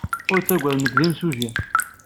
Ur ttaggad. Nekk d imsujji.